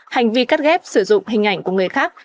hành vi cắt ghép sử dụng hình ảnh của người khác